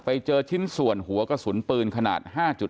ไปเจอชิ้นส่วนหัวกระสุนปืนขนาด๕๗